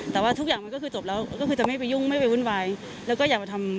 แต่ว่าทุกอย่างมันก็คือจบแล้วก็คือจะไม่ไปยุ่งไม่ไปวุ่นวาย